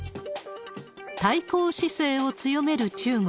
対抗姿勢を強める中国。